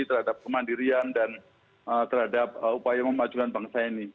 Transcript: terhadap kemandirian dan terhadap upaya memajukan bangsa ini